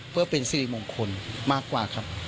เพื่อเป็นสิริมงคลมากกว่าครับ